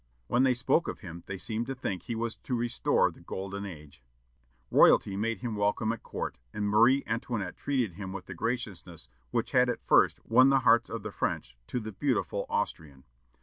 When they spoke of him they seemed to think he was to restore the golden age." Royalty made him welcome at court, and Marie Antoinette treated him with the graciousness which had at first won the hearts of the French to the beautiful Austrian.